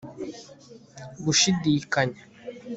gushidikanya (